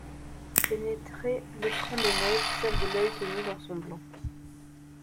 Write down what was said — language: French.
Pénétrer l’écran des neiges celles de l’œil tenu dans son blanc.